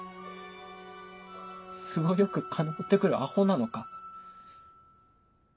都合良く金持ってくるアホなのか？